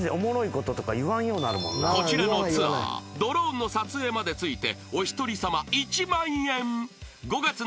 ［こちらのツアードローンの撮影まで付いて］